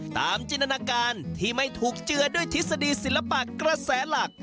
จินตนาการที่ไม่ถูกเจือด้วยทฤษฎีศิลปะกระแสหลัก